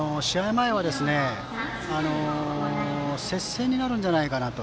前は接戦になるんじゃないかと。